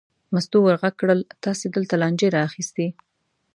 مستو ور غږ کړل: تاسې دلته لانجې را اخیستې.